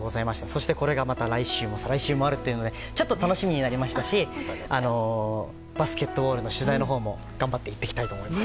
そしてこれがまた来週再来週もあるので楽しみになりましたしバスケットボールの取材のほうも頑張って行ってきたいと思います。